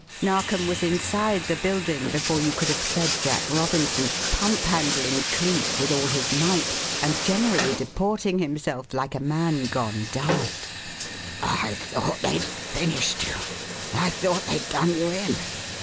Narkom was inside the building before you could have said Jack Robinson, "pump handling" Cleek with all his might and generally deporting himself like a man gone daft. "I thought they'd finished you! I thought they'd 'done you in.'